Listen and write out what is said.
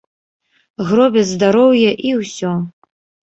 Гробяць здароўе і ўсё.